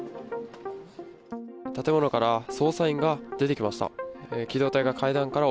建物から捜査員が出てきました。